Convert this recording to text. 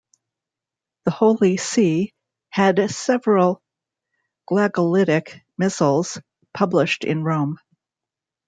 The Holy See had several Glagolitic missals published in Rome.